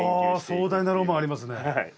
あ壮大なロマンありますね。